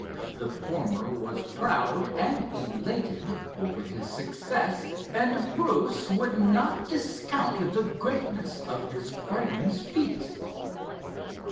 The former was proud and elated over his success, and Bruce would not discount the greatness of his friend's feat.